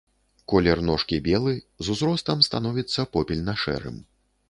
Колер ножкі белы, з узростам становіцца попельна-шэрым.